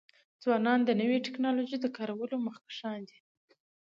ځوانان د نوې ټکنالوژۍ د کارولو مخکښان دي.